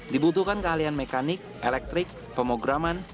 dibutuhkan keahlian mekanik elektrik pemograman